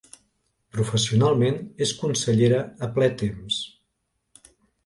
Professionalment és consellera a ple temps.